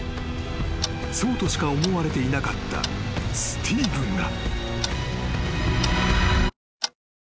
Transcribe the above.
［そうとしか思われていなかったスティーブンが］